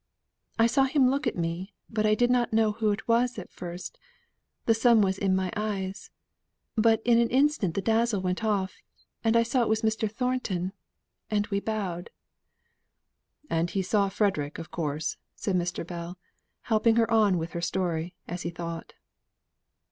I saw him look at me, but I did not know who it was at first, the sun was so in my eyes, but in an instant the dazzle went off, and I saw it was Mr. Thornton, and we bowed" "And he saw Frederick of course," said Mr. Bell, helping her on with her story, as he thought.